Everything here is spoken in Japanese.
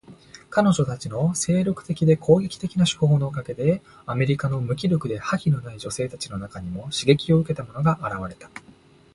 彼女たちの精力的で攻撃的な手法のおかげで、アメリカの無気力で覇気のない女性たちの中にも刺激を受けた者が現れた。